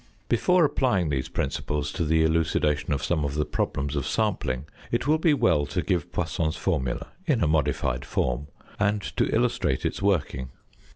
Before applying these principles to the elucidation of some of the problems of sampling it will be well to give Poisson's formula (in a modified form) and to illustrate its working.